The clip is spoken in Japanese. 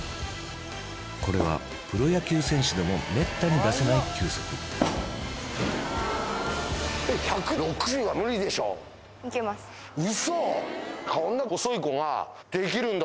これはプロ野球選手でもめったに出せない球速ウソ⁉強気だ！